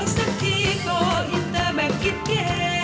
อ๋อสักทีก็อินเตอร์แบบกิดเกด